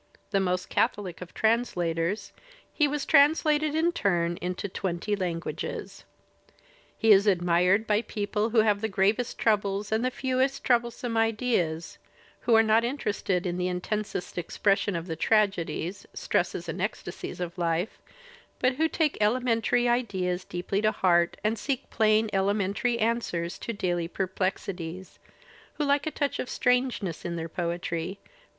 The most catholic of translators, he was translated in turn into twenty languages. He is admired by people who have the gravest troubles and the fewest troublesome ideas, who are not interested in the intensest expression of the tragedies, stresses and ecstasies of life, but who take elementary ideals deeply to heart and seek plain elementary answers to daily perplexi ties, who like a touch of strangeness in their poetry but.